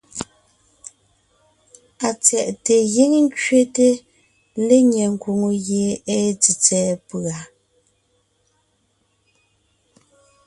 Atsyɛ̀ʼte giŋ kẅete lenyɛ nkwòŋo gie èe tsètsɛ̀ɛ pʉ̀a.